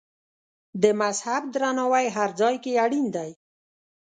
د مذهب درناوی هر ځای کې اړین دی.